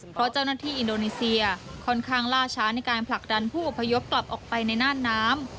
เพราะเจ้าหน้าที่อินโดนีเซียค่อนข้างล่าช้าในการผลักดันผู้อพยพกลับออกไปในน่านน้ำ